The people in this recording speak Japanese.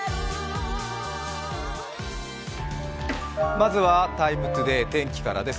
まずは「ＴＩＭＥ，ＴＯＤＡＹ」天気からです。